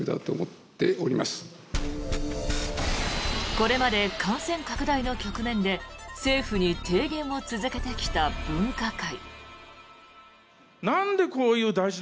これまで感染拡大の局面で政府に提言を続けてきた分科会。